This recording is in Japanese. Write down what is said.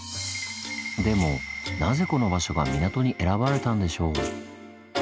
でもなぜこの場所が港に選ばれたんでしょう？